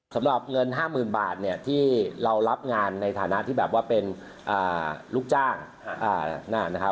สำหรับเงิน๕๐๐๐บาทที่เรารับงานในฐานะที่แบบว่าเป็นลูกจ้างนะครับ